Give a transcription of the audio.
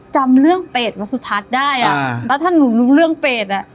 จำเรื่องเปรตวสุทัศน์ได้อ่ะแล้วถ้าหนูรู้เรื่องเปรตอ่ะ